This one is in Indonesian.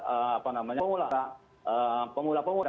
apa namanya pemula pemula